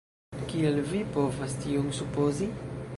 kial vi povas tion supozi?